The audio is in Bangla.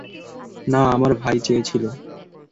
না আমার ভাই চেয়েছিল।